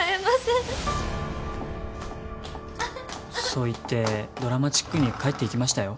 そう言ってドラマチックに帰っていきましたよ。